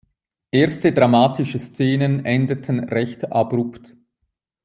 Erste dramatische Szenen endeten recht abrupt.